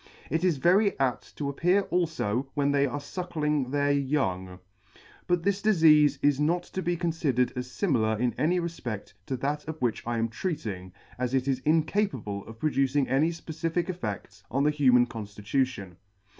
It is very apt to appear alfo when they are fuckling their young. But this difeafe is not to be confidered as fimilar in any refpe6l to that of which I am treating, as it is incapable of producing any fpecific effe£ts on the human Con llitution.